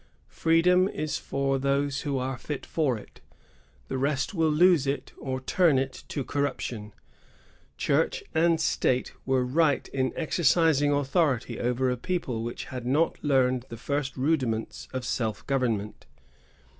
Freedom is for those who are fit for it; the rest will lose it, or turn it to corruption. Church and State were right in exercis ing authority over a people which had not learned the first rudiments of self government.